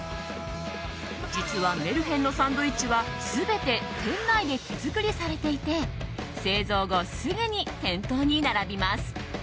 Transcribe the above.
実は、メルヘンのサンドイッチは全て店内で手作りされていて製造後、すぐに店頭に並びます。